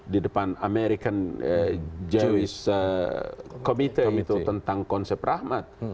di depan american jewish committee itu tentang konsep rahmat